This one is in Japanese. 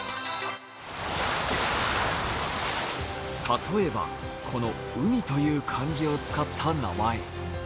例えば、この「海」という漢字を使った名前。